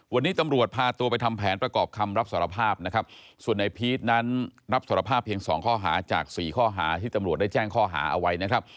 วันนี้ตำรวจพาตัวไปทำแผนประกอบคำรับสารภาพนะครับส่วนในพีชนั้นรับสารภาพเพียงสองข้อหาจากสี่ข้อหาที่ตำรวจได้แจ้งข้อหาเอาไว้นะครับ